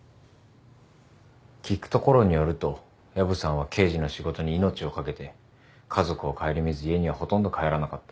聞くところによると薮さんは刑事の仕事に命を懸けて家族を顧みず家にはほとんど帰らなかった。